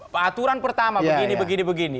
peraturan pertama begini begini begini